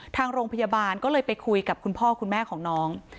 ทางโรงพยาบาลก็เลยไปคุยกับคุณพ่อคุณแม่ของน้อง